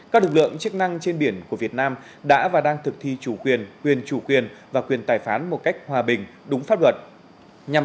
các lực lượng chức năng trên biển của việt nam đã và đang thực thi chủ quyền quyền chủ quyền và quyền tài phán một cách hòa bình đúng pháp luật nhằm bảo vệ vùng biển việt nam